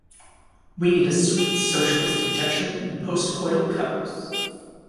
We need a sweet socialist injection and post-coital cuddles.